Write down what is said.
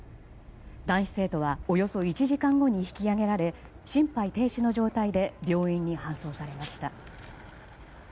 男子生徒は、およそ１時間後に引き上げられ心肺停止の状態で病院に搬送されました。